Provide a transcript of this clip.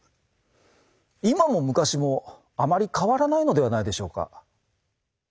今も昔もあまり変わらないのではないでしょうか。